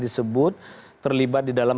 disebut terlibat di dalam